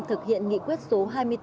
thực hiện nghị quyết số hai mươi bốn